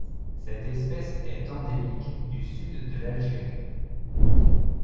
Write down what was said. Cette espèce est endémique du Sud de l'Algérie.